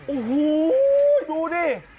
โอ้โหดูดิ